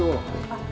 あっ。